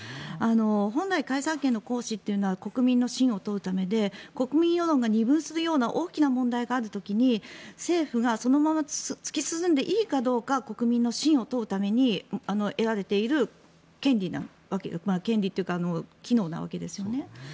本来、解散権の行使というのは国民の信を問うためで国民世論が二分するような大きな問題がある時に政府がそのまま突き進んでいいかどうか国民の信を問うために得られている権利なわけで権利というか機能なわけですよね。